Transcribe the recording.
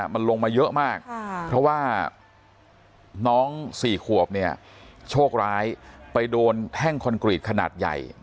มันลงมาเยอะมากเพราะว่าน้อง๔ขวบเนี่ยโชคร้ายไปโดนแท่งคอนกรีตขนาดใหญ่